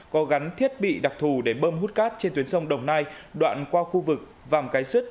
có gắn thiết bị đặc thù để bơm hút cát trên tuyến sông đồng nai đoạn qua khu vực vàm cái sứt